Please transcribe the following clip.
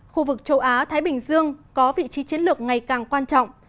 khu vực châu á thái bình dương có vị trí chiến lược ngày càng quan trọng